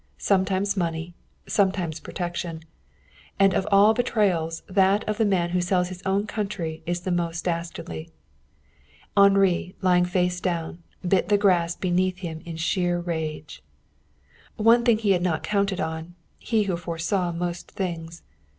Sometimes money. Sometimes protection. And of all betrayals that of the man who sells his own country is the most dastardly. Henri, lying face down, bit the grass beneath him in sheer rage. One thing he had not counted on, he who foresaw most things.